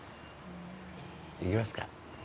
行きますか。